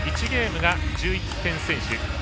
１ゲームが１１点先取。